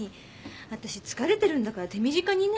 私疲れてるんだから手短にね。